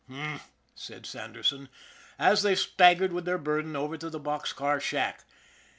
" H'm," said Sanderson, as they staggered with their burden over to the box car shack.